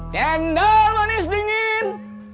cendol manis dingin